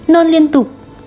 non liên tục